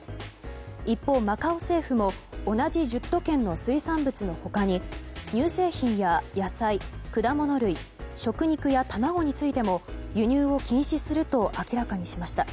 一方、マカオ政府も同じ１０都県の水産物の他に乳製品や野菜、果物類食肉や卵についても輸入を禁止すると明らかにしました。